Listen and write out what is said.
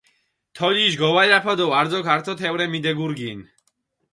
თოლიშ გოვალაფა დო არძოქ ართო თეჸურე მიდეგურგინჷ.